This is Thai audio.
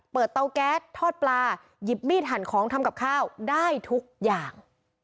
เตาแก๊สทอดปลาหยิบมีดหันของทำกับข้าวได้ทุกอย่าง